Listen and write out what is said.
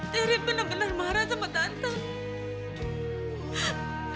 teri bener bener marah sama tante